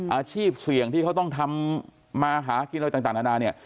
อาชีพเสี่ยงที่เขาต้องทำมาหากินอะไรต่างนานาเนี่ย